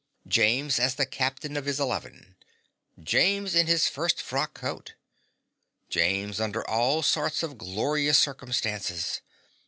James as the captain of his eleven! James in his first frock coat! James under all sorts of glorious circumstances!